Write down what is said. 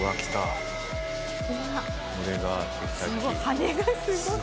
羽根がすごい。